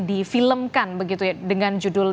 difilmkan begitu ya dengan judul